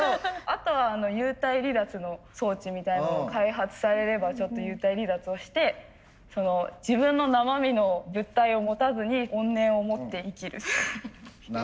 あとは幽体離脱の装置みたいなのを開発されればちょっと幽体離脱をして自分の生身の物体を持たずに怨念を持って生きるみたいな。